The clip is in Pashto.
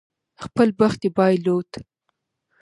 خپل بخت یې بایلود.